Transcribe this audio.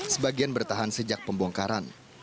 sebagian bertahan sejak pembongkaran